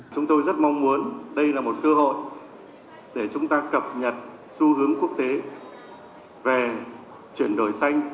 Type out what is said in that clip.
chúng tôi rất mong muốn đây là một cơ hội để chúng ta cập nhật xu hướng quốc tế về chuyển đổi xanh